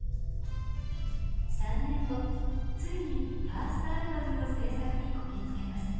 ３年後ついにファーストアルバムの制作にこぎ着けます。